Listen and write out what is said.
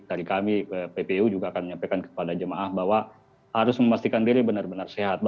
tadi kami ppu juga akan menyampaikan kepada jemaah bahwa harus memastikan diri benar benar sehat